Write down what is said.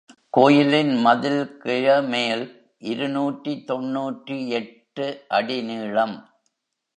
கோயிலின் மதில் கிழ மேல் இருநூற்று தொன்னூற்றெட்டு அடி நீளம்.